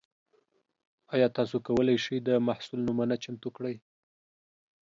ایا تاسو کولی شئ د محصول نمونه چمتو کړئ؟